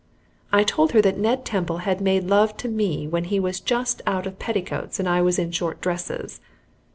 I told her that Ned Temple had made love to me when he was just out of petticoats and I was in short dresses.